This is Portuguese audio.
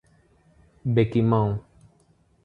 Bequimão